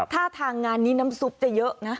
ท่าทางงานนี้น้ำซุปจะเยอะนะ